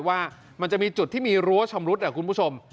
ว่ามันจะมีจุดที่มีรั้วชำรุดคุณผู้ชม